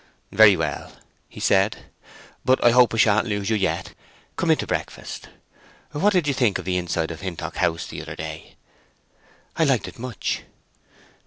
"Very well," he said. "But I hope I sha'n't lose you yet. Come in to breakfast. What did you think of the inside of Hintock House the other day?" "I liked it much."